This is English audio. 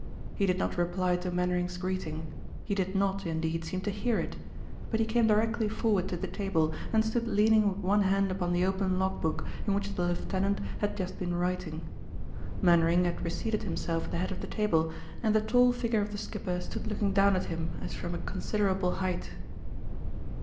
He did not reply to Mainwaring's greeting; he did not, indeed, seem to hear it; but he came directly forward to the table and stood leaning with one hand upon the open log book in which the lieutenant had just been writing. Mainwaring had reseated himself at the head of the table, and the tall figure of the skipper stood looking down at him as from a considerable height.